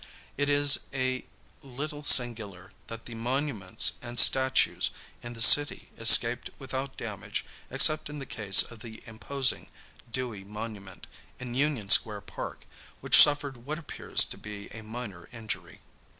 It is a little singular that the monuments and statues in the city escaped without damage except in the case of the imposing Dewey Monument, in Union Square Park, which suffered what appears to be a minor injury.